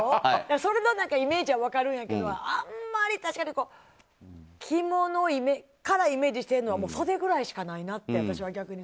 それのイメージは分かるんやけど着物からイメージしているのはそれぐらいしかないなと私は逆に。